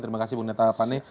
terima kasih bu neta pane